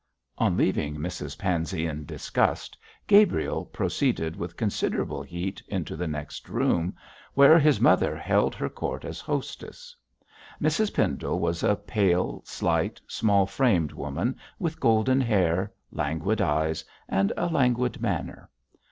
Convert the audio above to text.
On leaving Mrs Pansey in disgust, Gabriel proceeded with considerable heat into the next room, where his mother held her court as hostess. Mrs Pendle was a pale, slight, small framed woman with golden hair, languid eyes, and a languid manner.